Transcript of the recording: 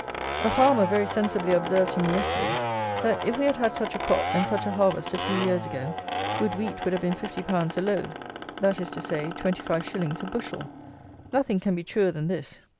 A farmer very sensibly observed to me yesterday that "if we had had such a crop and such a harvest a few years ago, good wheat would have been 50_l._ a load;" that is to say, 25_s._ a bushel! Nothing can be truer than this.